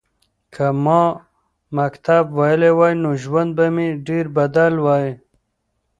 که ما مکتب ویلی وای نو ژوند به مې ډېر بدل وای.